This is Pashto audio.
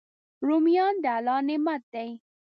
رومیان د الله نعمت دی